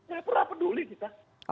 gak pernah peduli kita